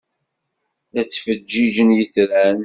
La ttfeǧǧiǧen yitran.